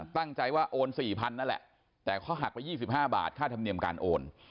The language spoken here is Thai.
ตั้งใจว่าโอน๔๐๐นั่นแหละแต่เขาหักไป๒๕บาทค่าธรรมเนียมการโอน